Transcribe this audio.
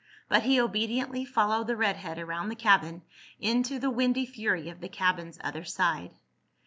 But he obediently followed the redhead around the cabin into the windy fury of the cabin's other side.